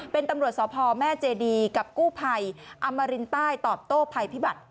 เป็นตำรวจสพแม่เจดีกับกู้ภัยอมรินใต้ตอบโต้ภัยพิบัติ